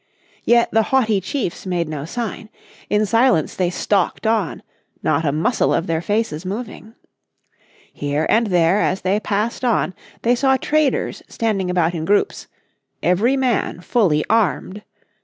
Yet the haughty chiefs made no sign. In silence they stalked on, not a muscle of their faces moving. Here and there as they passed on they saw traders standing about in groups, every man fully armed.